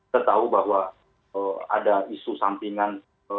tertahu bahwa ada isu sampingan